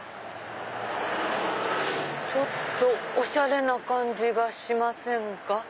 ちょっとおしゃれな感じがしませんか？